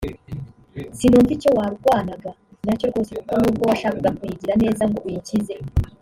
“Sinumva icyo warwanaga nacyo rwose kuko n’ubwo washakaga kuyigira neza ngo uyikize